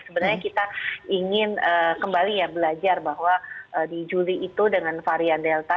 sebenarnya kita ingin kembali ya belajar bahwa di juli itu dengan varian delta